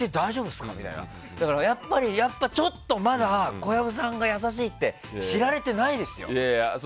だから、やっぱりちょっとまだ小籔さんが優しいって知られてないですよ。